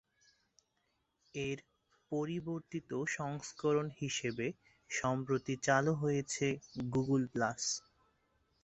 এর পরিবর্তিত সংস্করণ হিসেবে সম্প্রতি চালু হয়েছে গুগল প্লাস।